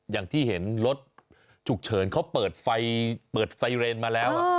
อย่างที่เห็นรถฉุกเฉินเขาเปิดไฟเปิดไซเรนมาแล้ว